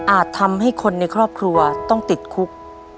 ทำให้คนในครอบครัวต้องติดคุก